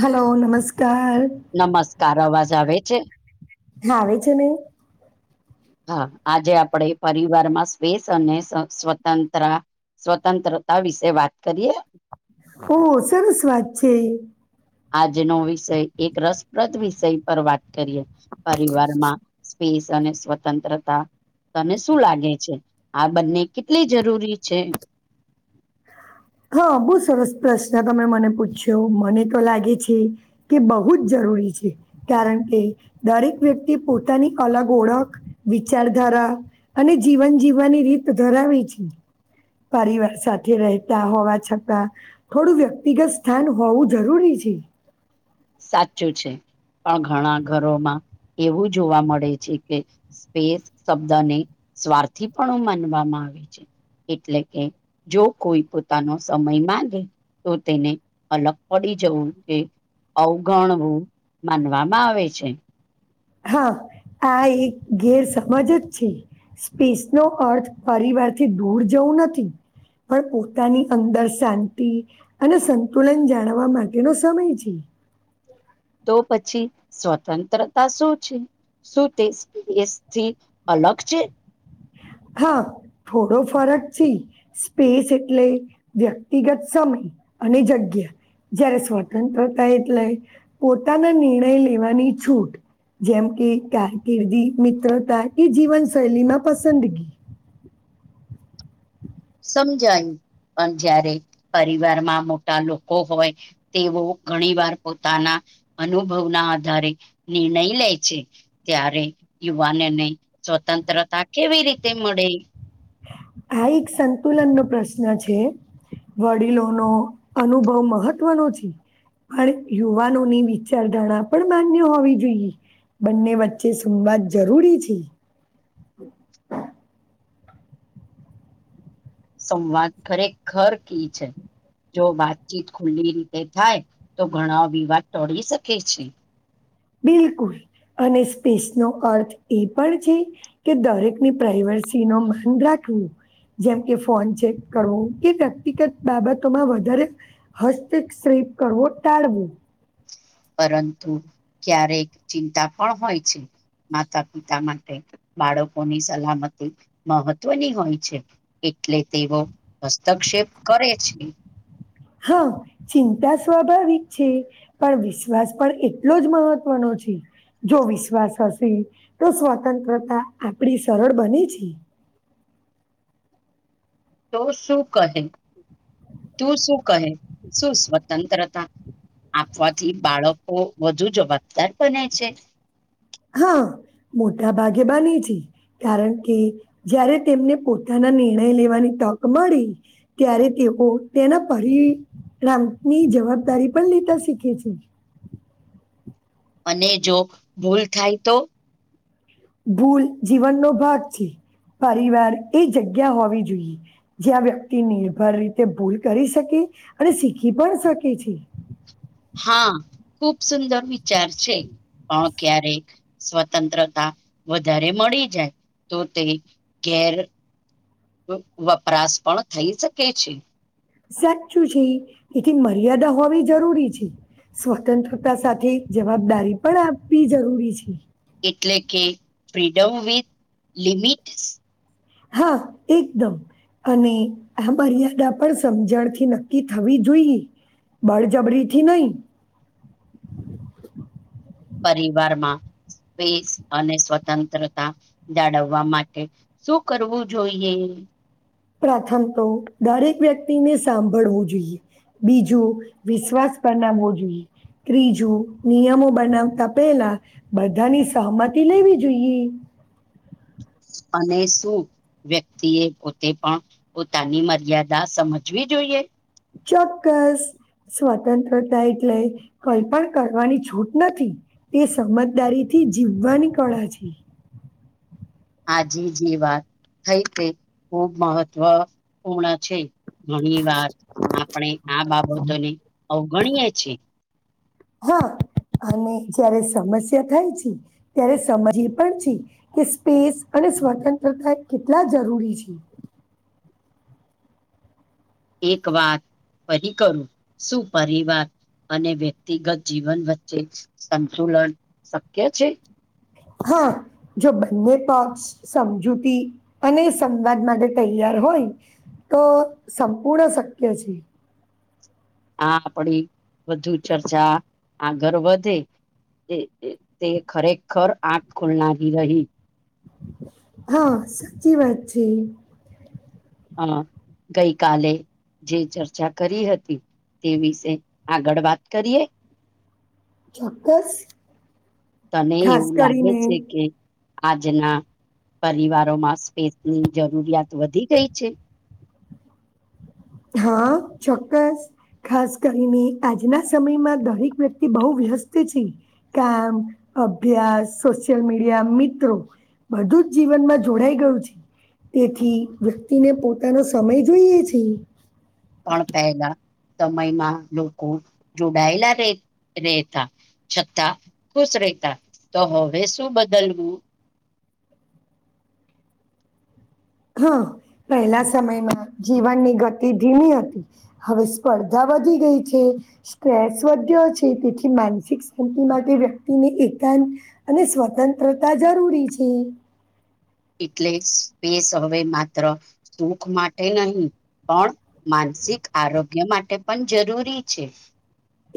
Hello નમસ્કાર. નમસ્કાર અવાજ આવે છે. હા આવે છે ને. હા આજે આપણે પરિવારમાં સ્સ અને સ્વતંત્ર સ્વતંત્રતા વિશે વાત કરીએ ઓ સરસ વાત છે. આજનો વિષય એક રસપ્રદ વિષય પર વાત કરીએ પરિવારમાં સ્પેસ અને સ્વતંત્રતા તને શું લાગે છે, આ બંને કેટલી જરૂરી છે. હા બહુ સરસ પ્રશ્ન તમે મને પૂછ્યો મને તો લાગે છે. કે બહુ જ જરૂરી છે. કારણ કે દરેક વ્યક્તિ પોતાની અલગ ઓળખ વિચારધારા અને જીવન જીવવાની રીત ધરાવે છે. પરિવાર સાથે રહે હોવા છતાં થોડું વ્યક્તિગત સ્થાન હોવું જરૂરી છે. સાચું છે. પણ ઘણા ઘરોમાં એવું જોવા મળે છે, કે સ્પેસ શબ્દને સ્વાર્થી પણ માનવામાં આવે છે, એટલે કે જો કોઈ પોતાનો સમય માંગે તો તેને અલગ પડી જવું છે. અવગણવું માનવામાં આવે છે. હા આ એક ગેર સમાજ જ છે. સ્પેસ નો અર્થ પરિવારથી દૂર જવું નથી. પણ પોતાની અંદર શાંતિ અને સંતુલન જાણવા માટેનો સમય છે. તો પછી સ્વતંત્રતા શું છે? શું તેથી અલગ છે. હા થોડો ફરક છે. સ્પેસ એટલે વ્યક્તિગત સમય અને જગ્યા જયારે સ્વતંત્રતા એટલે પોતાના નિર્ણય લેવાની છૂટ જેમ કે કારકિર્દી મિત્રતા કે જીવનશૈલી માં પસંદગી સમજાયું પણ જયારે પરિવારમાં મોટા લોકો હોય તેઓ ઘણી વાર પોતાના અનુભવના આધારે નિર્ણય લે છે. ત્યારે યુવાનને સ્વતંત્રતા કેવી રીતે મળે આ એક સંતુલન નો પ્રશ્ન છે. વડીલો નો અનુભવ મહત્વનો છે. પણ યુવાનો ની વિચારધારણા પણ માન્ય હોવી જોઈએ. બંને વચ્ચે સુમવા જરૂરી છે. સંવાદ ખરે ઘર ક છે. જો વાતચીત ખુલ્લી રીતે થાય તો ઘણા વિવાદ ટળી શકે છે. બિલકુલ અને સ્પેસ નો અર્થ એ પણ છે. કે દરેક ની પ્રાઈવસી નો માન રાખવું. જેમ કે ફોન ચેક કરવો, કે વ્યક્તિગત બાબતોમાં વધારે હસ્તિક શેપ કરવો ટાળવો પરંતુ ક્યારેક ચિંતા પણ હોય છે. માતા પિતા માટે બાળકોની સલામતી મહત્વની હોય છે. એટલે તેઓ હસ્તક્ષેપ કરે છે. હા ચિંતા સ્વાભાવિક છે. પણ વિશ્વાસ પણ એટલો જ મહત્વનો છે. જો વિશ્વાસ હશે, તો સ્વતંત્રતા આપડી સરળ બને છે. તો શું કહે, તું શું કહે, શું સ્વતંત્રતા આપવાથી બાળકો વધુ જવાબદાર બને છે. હા મોટા ભાગેબાની છે. કારણ કે, જારે તેમને પોતાના નિર્ણય લેવાની તક મળી ત્યારે તેઓ તેના પરિણામની જવાબદારી પણ લેતા શીખે છે. અને જો ભૂલ થાય તો ભૂલ જીવનનોો ભાગ છે, પરિવાર એ જગ્યા હોવી જોઈએ જેં વ્યક્તિ નિર્ભર રીતે ભૂલ કરી શકે અને શીખી પણ શકે છે. હા ખુબ સુંદર વિચાર છે પણ ક્યારેક. સ્વતંત્રતા વધારે મળી જાય તો તે ઘેર. વ વપરાશ પણ થઈ શકે છે. સાચું છે એથી મર્યાદા હોવી જરૂરી છે. સ્વતંત્રતા સાથે જવાબદારી પણ આપવી જરૂરી છે. એટલે કે ફ્રીડમ વિથ લિમિટ. હા એકદમ. અને આ મર્યાદા પણ સમજણથી નક્કી થવી જોઈએ. બળજબરીથી નહી. પરિવારમાં સ્પેસ અને સ્વતંત્રતા જાળવવા માટે. શું કરવું જોઈએ. પ્રથમ તો દરેક વ્યક્તિને સાંભળવું જોઈએ. બીજું વિશ્વાસ પરનામું હોવું જોઈએ. ત્રીજું નિયમો બનાવતા પેલા બધાની સહમતી લેવી જોઈએ. અને શું. વ્યક્તિ એ પોતે પણ પોતાની મર્યાદા સમજવી જોઈએ. ચોક્કસ સ્વતંત્રતા એટલે કઈ પણ કરવાની છૂટ નથી. તે સમજદારી થી જીવવાની કળા છે. આજે જે વાત થઈ તે ખૂબ મહત્વપૂર્ણ છે. ઘણી વાર આપણે આ બાબતોને અવગણીએે છીએ. હા અને જયારે સમસ્યા થાય છે. ત્યારે સમજ એ પણ છે કે સ્પેસ અને સ્વતંત્રતા કેટલા જરૂરી છે. એક વાત. ફરી કરું શું પરિવાર અને વ્યક્તિગત જીવન વચ્ચે. સંતુલન શક્ય છે. હા જો બંને પક્ષ સમજૂતી અને સંવાદ માટે તૈયાર હોય. તો સંપૂર્ણ શક્ય છે. આ આપડી વધુ ચર્ચા. આગળ વધે તે ખરેખર આંખ ખોલનારી રહી. હા સાચી વાત છે. હા ગઈ કલે. જે ચર્ચા કરી હતી તે વિશે આગળ વાત કરીએ. ચોક્કસ. તને ખાસ એવું લાગે કરીને છે કે. આજના પરિવારોમાં સ્પેસ ની જરૂરિયાત વધી ગઈ છે. હા ચોક્કસ. ખાસ કરીને આજના સમયમાં દરેક વ્યક્તિ બહુ વ્યસ્ત છે. કામ અભ્યાસ સોશિયલ મીડિયા મિત્રો. બધું જ જીવનમાં જોડાઈ ગયું છે. તેથી વ્યક્તિને પોતાનો સમય જોઈએ છે. પણ પહેલા સમયમાં લોકો જોડાયેલા રે રેતા છતાં ખુશ રહેતા તો હવે શું બદલવું. હા પહેલા સમયમાં જીવનની ગતિ ધીમી હતી. હવે સ્પર્ધા વધી ગઈ છે. સ્ટ્રેસ વધ્યો છે તેથી માનસિક શાંતિ માટે વ્યક્તિને એકાંત અને સ્વતંત્રતા જરૂરી છે. એટલે સ્પેસ હવે માત્ર સુખ માટે નહીં પણ માનસિક આરોગ્ય માટે પણ જરૂરી છે.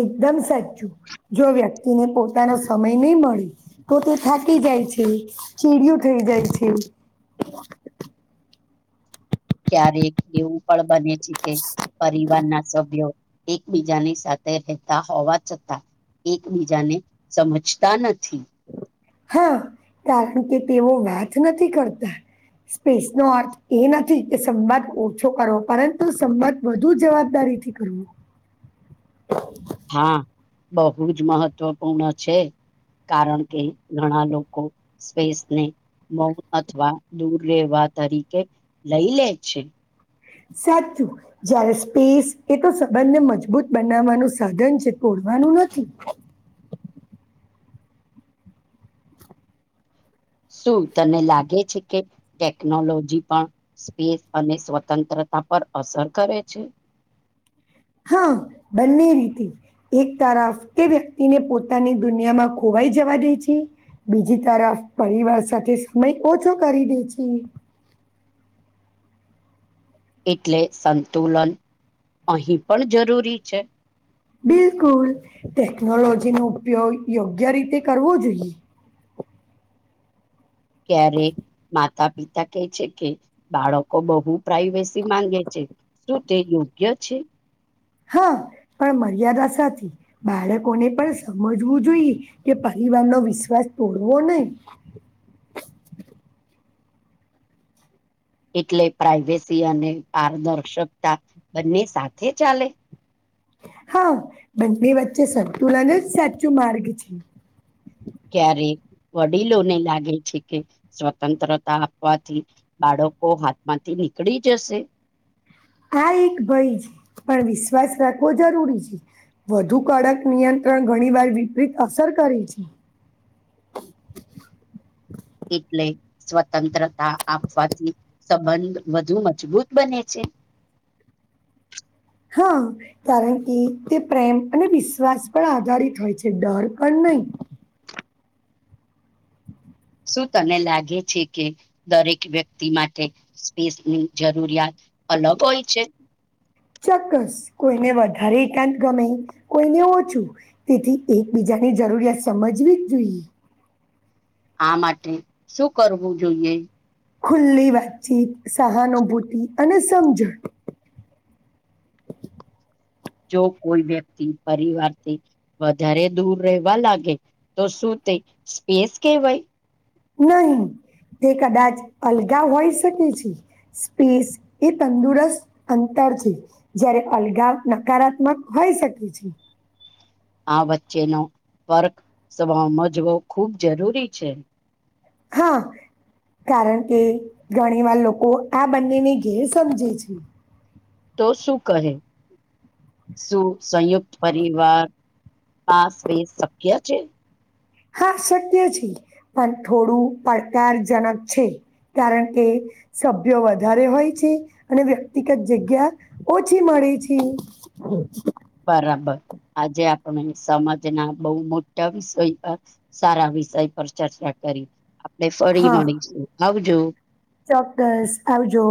એકદમ સાચું જો વ્યક્તિને પોતાનો સમય નહી મળે તો તે થાકી જાય છે, ચીડિયું થઇ જાય છે. ક્યારેક એવું પણ બને છે, કે પરિવાર ના સભ્યો એકબીજાની સાથે રહેતા હોવા છતાં એકબીજાને સમજતા નથી. હા કારણ કે તેઓ વાત નથી કરતા સ્પેસ નો અર્થ એ નથી કે સંવાદ ઓછો કરો પરંતુ સંવાદ વધુ જવાબદારી કરવું હા બહુ જ મહત્વપૂર્ણ છે. કારણ કે ઘણા લોકો સ્પેસને મૌન અથવા દૂર રહેેવા તરીકે લઈ લે છે. સાચું જયારે સ્પેસ એ તો સંબંધને મજબૂત બનાવવાનું સાધન છે, તોડવાનું નથી શું તને લાગે છે કે ટેકનોલોજી પણ સ્પેસ અને સ્વતંત્રતા પર અસર કરે છે? હા બન્ને રીતે એક તરફ તે વ્યક્તિને પોતાની દુનિયામાં ખોવાઈ જવા દે છે. બીજી તરફ પરિવાર સાથે સમય ઓછો કરી દે છે. એટલે સંતુલન અહીં પણ જરૂરી છે. બિલકુલ ટેકનોલોજી નો ઉપયોગ યોગ્ય રીતે કરવો જોઈએ ક્યારે કે માતા પિતા કે છે, કે બાળકો બહુ પ્રાઈવેસી માંગે છે. શું તે યોગ્ય છે? હા પણ મર્યાદા સાચી બાળકોને પણ સમજવું જોઈએ કે પરિવાર નો વિશ્વાસ તોડવો નહી. એટલે પ્રાઈવેસી અને પારદર્શકતા બંને સાથે ચાલે. હા બંને વચ્ચે સંતુલન જ સાચ્ચો માર્ગ છે. ક્યારે વડીલોને લાગે છે, કે સ્વતંત્રતા આપવાથી બાળકો હાથમાંથી નીકળી જશે આ એક ભય છે, પણ વિશ્વાસ રાખવો જરૂરી છે. વધુ કડક નિયંત્રણ ઘણી વાર વિપરીત અસર કરે છે. એટલે સ્વતંત્રતા આપવાથી સંબંધ વધુ મજબૂત બને છે. હમ. કારણ કે તે પ્રેમ અને વિશ્વાસ પણ આધારિત હોય છે, ડર પણ નહીં. શું તને લાગે છે, કે દરેક વ્યક્તિ માટે સ્પેસની જરૂરિયાત અલગ હોય છે? ચોક્કસ કોઈને વધારે એકાંત ગમે, કોઈને ઓછું. તેથી એકબીજાની જરૂરિયાત સમજવી જ જોઈએ. આ માટે શું કરવું જોઈએ? ખુલ્લી વાતચીત, સહાનુભૂતિ અને સમજણ જો કોઈ વ્યક્તિ પરિવારથી વધારે દૂર રહેવા લાગે તો શું તે સ્પેસ કહેવાય? નહી તે કદાચ અલગા હોય શકે છે. સ્પેસ એ તંદુરસ્ત અંતર છે. જયારે અલગાવ નકારાત્મક હોય શકે છે. આ વચ્ચેનો વર્કજવો ખૂબ જરૂરી છે. હા. કારણ કે ઘણી વાર લોકો આ બંનેને ઘેર સમજે છે. તો શું કહે? શું સંયુક્ત પરિવાર પાસ શક્ય છે. હા શક્ય છે, પણ થોડું પડકારજનક છે. કારણ કે સભ્યો વધારે હોય છે, અને વ્યક્તિગત જગ્યા ઓછી મળી છે. બરાબર આજે આપણે સમજના બહુ મોટા વિષય સારા વિષય પર ચર્ચા કરી આપણે ફરી હા મળીશું આવજો ચોક્કસ આવજો